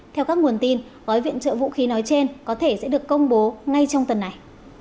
theo các nguồn tin gói viện trợ vũ khí nói trên có thể sẽ được công bố ngay trong tuần này